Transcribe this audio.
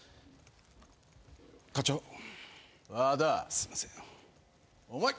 すいません。